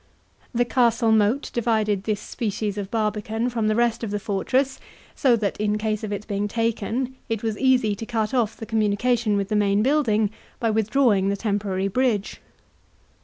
The castle moat divided this species of barbican from the rest of the fortress, so that, in case of its being taken, it was easy to cut off the communication with the main building, by withdrawing the temporary bridge.